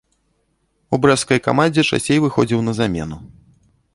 У брэсцкай камандзе часцей выхадзіў на замену.